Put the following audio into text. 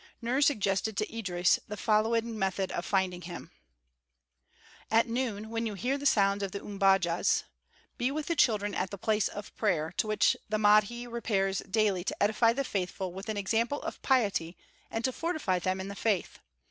Nur suggested to Idris the following method of finding him: "At noon, when you hear the sounds of the umbajas,* [* Umbajas big trumpets of ivory tusk.] be with the children at the place of prayer, to which the Mahdi repairs daily to edify the faithful with an example of piety and to fortify them in the faith.